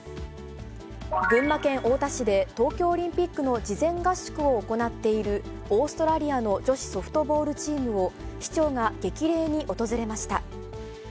群馬県太田市で、東京オリンピックの事前合宿を行っている、オーストラリアの女子ソフトボールチームを、市長が激励に訪れました。